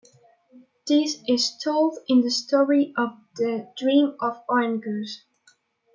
This is told in the story of the Dream of Oengus.